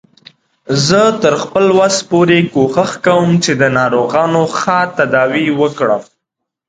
زه تر خپل وس پورې کوښښ کوم چې د ناروغانو ښه تداوی وکړم